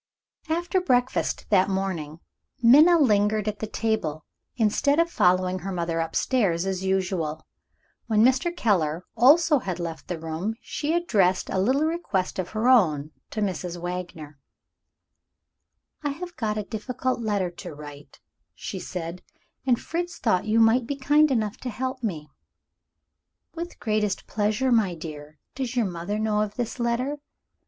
After breakfast that morning, Minna lingered at the table, instead of following her mother upstairs as usual. When Mr. Keller also had left the room, she addressed a little request of her own to Mrs. Wagner. "I have got a very difficult letter to write," she said, "and Fritz thought you might be kind enough to help me." "With the greatest pleasure, my dear. Does your mother know of this letter?"